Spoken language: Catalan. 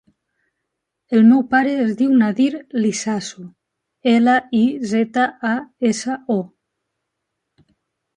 El meu pare es diu Nadir Lizaso: ela, i, zeta, a, essa, o.